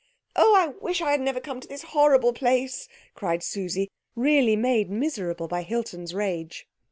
"Oh, I wish we had never come to this horrible place!" cried Susie, really made miserable by Hilton's rage.